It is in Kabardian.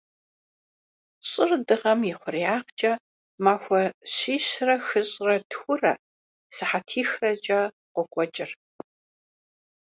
Щӏыр Дыгъэм и хъуреягъкӏэ махуэ щищрэ хыщӏрэ тхурэ сыхьэтихрэкӏэ къокӏуэкӏыр.